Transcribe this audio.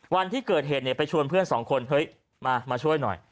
วันที่เกิดเหตุไปชวนเพื่อนสองคนเฮ้ยมาช่วยหน่อย